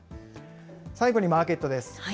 最後にマーケットです。